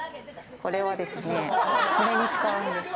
これは、これに使うんです。